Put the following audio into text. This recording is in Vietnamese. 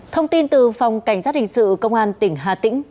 thông tin từ phòng cảnh sát hình sự công an tỉnh hà tĩnh